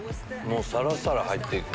サラサラ入っていく。